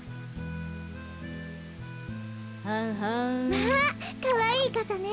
まあかわいいかさね。